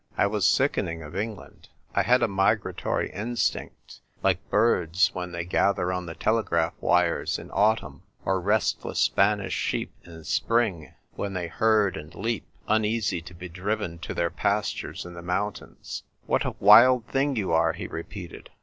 I was sickening of England ; I had a migratory instinct, like birds when they gather on the telegraph wires in autumn, or restless Spanish sheep in spring, when they herd and leap, uneasy to be driven to their pastures in the mountains." " O, ROMEO, UOMEO !" ail " What a wild thing you are !" he repeated.